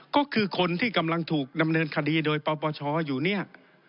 ก็คือคนที่กำลังถูกดำเนินคดีโดยปปชอยู่เนี่ย